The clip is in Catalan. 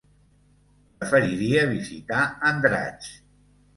Preferiria visitar Andratx.